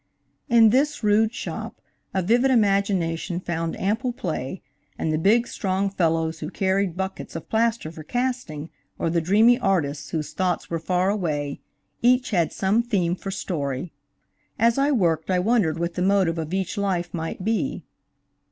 In this rude shop a vivid imagination found ample play and the big, strong fellows who carried buckets of plaster for casting, or the dreamy artists whose thoughts were far away, each had some theme for story. As I worked I wondered what the motive of each life might be.